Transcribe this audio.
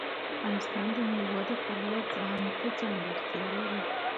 افغانستان د مېوې د پلوه ځانته ځانګړتیا لري.